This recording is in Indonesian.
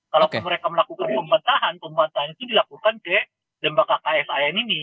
kalau mereka melakukan pembantahan pembantahan itu dilakukan ke dembaka kfan ini